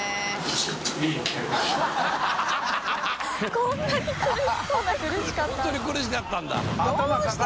こんなに苦しそうな「苦しかった」梅沢）